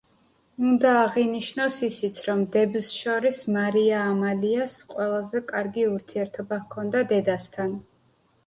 უნდა აღინიშნოს ისიც, რომ დებს შორის მარია ამალიას ყველაზე კარგი ურთიერთობა ჰქონდა დედასთან.